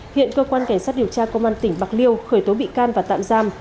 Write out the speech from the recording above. hiện cơ quan cảnh sát điều tra công an tỉnh bạc liêu khởi tố bị can và tạm giam